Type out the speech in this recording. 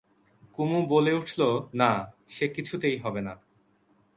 কুমু বলে উঠল, না, সে কিছুতেই হবে না।